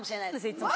いつも。